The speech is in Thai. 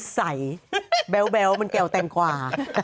ใสแบ๊วมันแก้วแตงกว่า